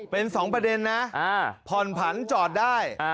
เป็น๒ประเด็นนะผ่อนผันจอดได้